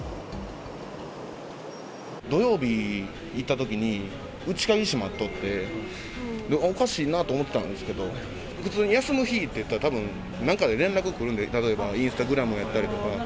土曜日、行ったときに、内鍵閉まっとって、おかしいなと思ってたんですけど、普通に休む日っていったら、なんかで連絡来るんで、例えばインスタグラムやったりとか。